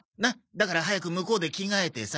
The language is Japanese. だから早く向こうで着替えてさ。